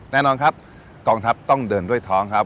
แน่นอนครับกองทัพต้องเดินด้วยท้องครับ